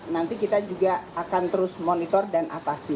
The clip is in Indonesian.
nanti kita juga akan terus monitor dan atasi